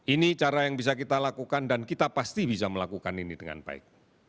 ini cara yang bisa kita lakukan dan kita pasti bisa melakukan ini dengan baik